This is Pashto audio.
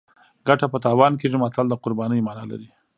ګټه په تاوان کیږي متل د قربانۍ مانا لري